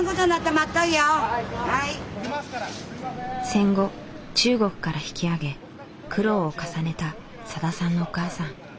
戦後中国から引き揚げ苦労を重ねたさださんのお母さん。